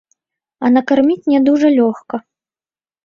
А накарміць не дужа лёгка.